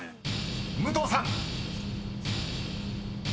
［武藤さん］